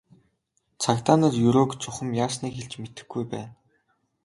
Цагдаа нар Ерөөг чухам яасныг хэлж мэдэхгүй байна.